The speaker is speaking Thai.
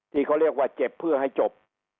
ที่เขาเรียกว่าเจ็บเพื่อให้จบ